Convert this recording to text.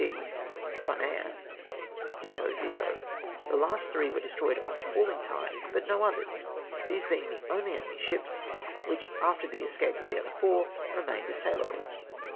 D. Tonnerre, ditto, ditto. The last three were destroyed on the falling tide, but no others ! These being the only enemy's ships which, after the escape of the othcu' four, remained assailable.